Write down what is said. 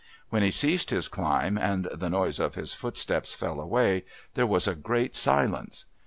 When he ceased his climb and the noise of his footsteps fell away there was a great silence.